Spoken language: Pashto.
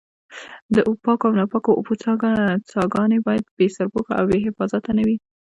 د پاکو او ناپاکو اوبو څاګانې باید بې سرپوښه او بې حفاظته نه وي.